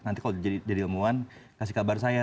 nanti kalau jadi ilmuwan kasih kabar saya